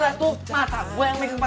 lihatlah pesan kerennya